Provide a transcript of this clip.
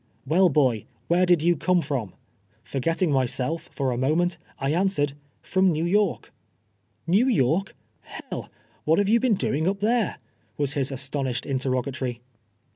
'" Well, boy, where did you come from V Forgetting myself, for a moment, I answered, " From Xew Yr)rk." '• Xew York I II — 1 ! what have you been doing up there i' was his astonished interrogatory.